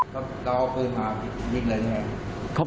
แล้วเอาปืนมายิงเลยใช่ไหม